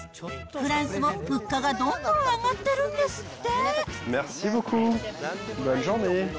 フランスも物価がどんどん上がってるんですって。